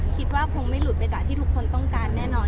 คิดว่าคงไม่หลุดไปจากที่ทุกคนต้องการแน่นอน